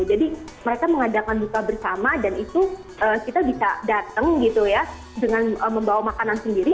jadi mereka mengadakan buka bersama dan itu kita bisa datang gitu ya dengan membawa makanan sendiri